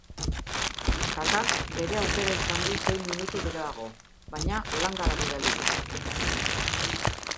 Kakak bere aukera izan du sei minutu geroago, baina langara bidali du.